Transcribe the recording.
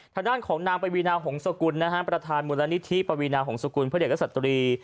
ทางด้านของนางปวีนาหงษกุลนะฮะประธานมูลนิธิปวีนาหงศกุลเพื่อเด็กและสตรี